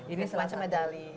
ini semacam medali